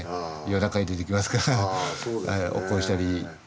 夜中に出ていきますから起こしたり。